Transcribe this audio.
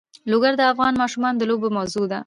لوگر د افغان ماشومانو د لوبو موضوع ده.